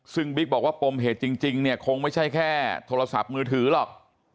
ซึ่งบิ๊กบอกว่าปมเหตุจริงเนี่ยคงไม่ใช่แค่โทรศัพท์มือถือหรอก